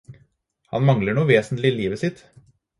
Han mangler noe vesentlig i livet sitt.